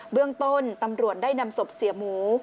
เรื่องต้นตำรวจได้นำศพเสียหมู